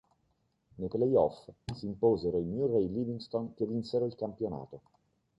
Nei play off s'imposero i Murray Livingston che vinsero il campionato.